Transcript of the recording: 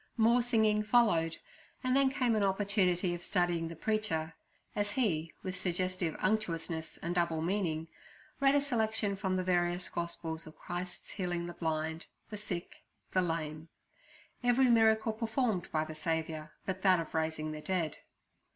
More singing followed, and then came an opportunity of studying the preacher, as he, with suggestive unctuousness and double meaning, read a selection from the various Gospels of Christ's healing the blind, the sick, the lame—every miracle performed by the Saviour but that of raising the dead.